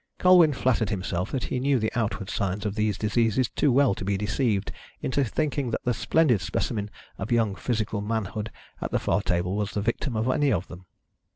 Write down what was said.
Colwyn flattered himself that he knew the outward signs of these diseases too well to be deceived into thinking that the splendid specimen of young physical manhood at the far table was the victim of any of them.